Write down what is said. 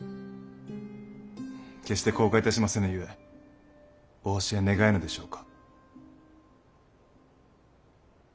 決して口外いたしませぬゆえお教え願えぬでしょうか。